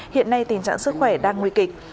hiện nay tình trạng sức khỏe đang nguy kịch